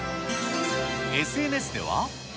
ＳＮＳでは。